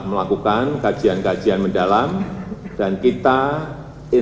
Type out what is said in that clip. sebagian kabupaten penajam pasar utara